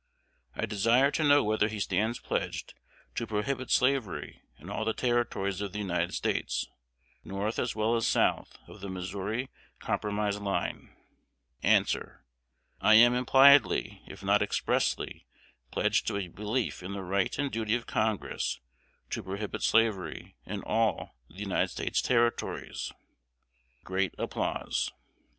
"I desire to know whether he stands pledged to prohibit slavery in all the Territories of the United States, north as well as south of the Missouri Compromise line." A. I am impliedly, if not expressly, pledged to a belief in the right and duty of Congress to prohibit slavery in all the United States Territories. [Great applause.